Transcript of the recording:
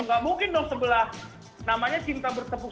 nggak mungkin dong sebelah namanya cinta bertepuk sebelah tangan mbak